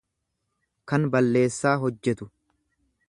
kan balleessaa hojjetu.